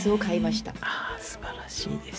あすばらしいです。